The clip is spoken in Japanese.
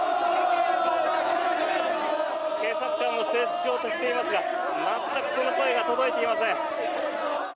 警察官も制止しようとしていますが全くその声が届いていません。